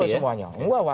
gak perlu sakit hati ya